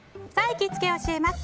行きつけ教えます！